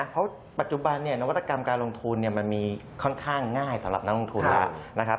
เพราะปัจจุบันเนี่ยนวัตกรรมการลงทุนมันมีค่อนข้างง่ายสำหรับนักลงทุนแล้วนะครับ